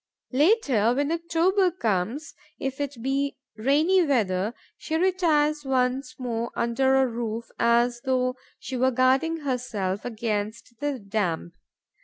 Later, when October comes, if it be rainy weather, she retires once more under a roof, as though she were guarding herself against the damp.